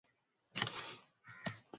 Ustahimilivu ulimshinda binti.